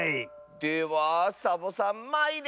ではサボさんまいれ！